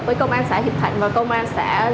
với công an xã hiệp thạnh và công an xã